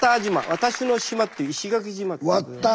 私の島っていう石垣島。